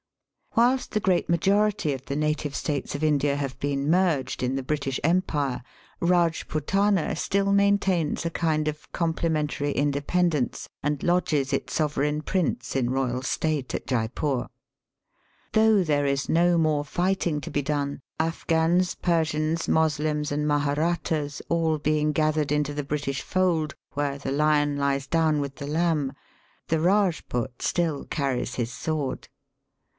Whilst the great majority of the native states of India have been merged in the British Empire, Eajputana still maintains a kind of complimentary independence, and lodges its sovereign prince in royal state at Jeypore. Though there is no more fighting to be done^ Afghans, Persians, Moslems, and Maharattas all being gathered into the British fold where the lion lies down with the lamb, the Eajput still carries his sword.